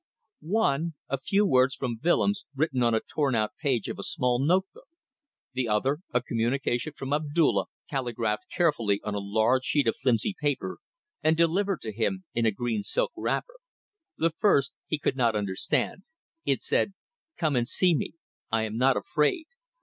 One, a few words from Willems written on a torn out page of a small notebook; the other, a communication from Abdulla caligraphed carefully on a large sheet of flimsy paper and delivered to him in a green silk wrapper. The first he could not understand. It said: "Come and see me. I am not afraid.